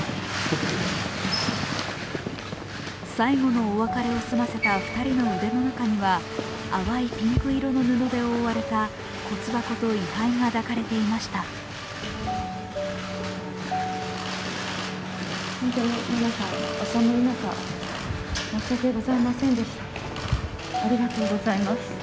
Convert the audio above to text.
最後のお別れを済ませた２人の腕の中には、淡いピンク色の布で覆われた骨箱と位はいが抱かれていました。